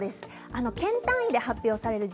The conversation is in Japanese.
県単位で発表されます。